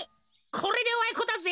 これでおあいこだぜ。